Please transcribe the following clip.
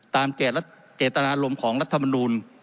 เจตนารมณ์ของรัฐมนูล